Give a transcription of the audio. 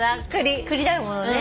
栗だものね。